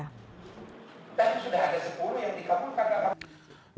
tadi sudah ada sepuluh yang dikabulkan